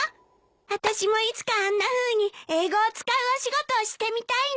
あたしもいつかあんなふうに英語を使うお仕事をしてみたいの。